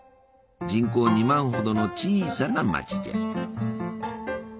人口２万ほどの小さな町じゃ。